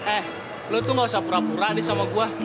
eh lo tuh gak usah pura pura nih sama gue